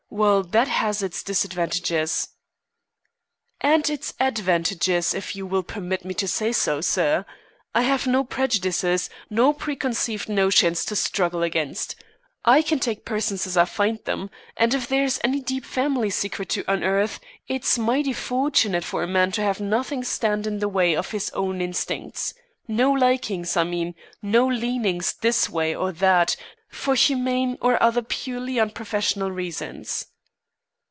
Well, that has its disadvantages." "And its advantages, if you will permit me to say so, sir. I have no prejudices, no preconceived notions to struggle against. I can take persons as I find them; and if there is any deep family secret to unearth, it's mighty fortunate for a man to have nothing stand in the way of his own instincts. No likings, I mean no leanings this way or that, for humane or other purely unprofessional reasons."